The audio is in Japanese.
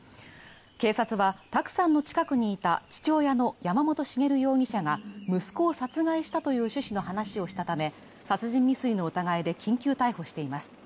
警察は卓さんの近くにいた父親の山本茂容疑者が息子を殺害したという趣旨の話をしたため、殺人未遂の疑いで緊急逮捕しています。